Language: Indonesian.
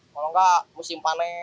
kalau nggak musim panen